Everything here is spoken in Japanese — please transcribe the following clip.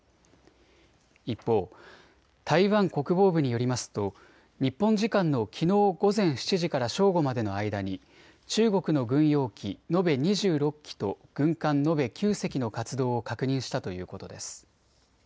一方、台湾国防部によりますと日本時間のきのう午前７時から正午までの間に中国の軍用機延べ２６機と軍艦延べ９隻の活動を確認したということです。